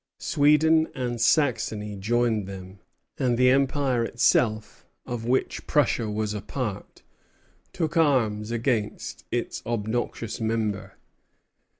Sweden and Saxony joined them; and the Empire itself, of which Prussia was a part, took arms against its obnoxious member.